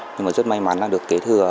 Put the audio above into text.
nhưng mà rất may mắn là được kế thừa